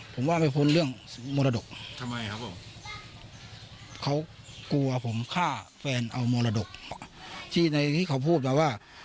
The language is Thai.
ผมว่าไปพวงเรื่องมรดดกทำไมครับผมค่าแฟนเอามรดดกที่ที่เขาพูดว่าว่า